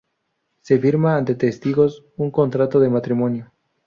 Se firma ante testigos un contrato de matrimonio.